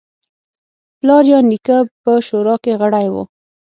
پلار یا نیکه په شورا کې غړی و.